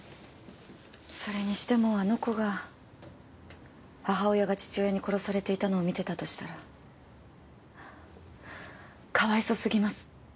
それにしてもあの子が母親が父親に殺されていたのを見てたとしたらかわいそすぎます。